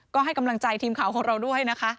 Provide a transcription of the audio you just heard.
ก็ให้กำลังใจทีมข่าวของเราด้วยนะคะ